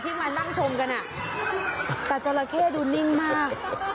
ที่มานั่งชมกันอ่ะแต่เจราะแคร่ดูนิ่งมาก